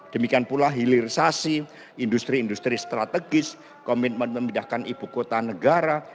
demikian pula hilirisasi industri industri strategis komitmen memindahkan ibu kota negara